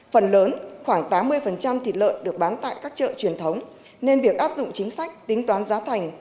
phần lớn khoảng tám mươi thịt lợn được bán tại các chợ truyền thống nên việc áp dụng chính sách tính toán giá thành